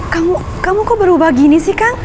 kamu kamu kok berubah gini sih kang